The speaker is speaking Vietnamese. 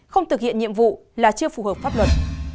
không thực hiện nhiệm vụ là chưa phù hợp pháp luật